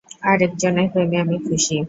আর একজনের প্রেমে আমি খুশি।